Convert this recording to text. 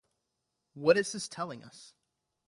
What is this telling us?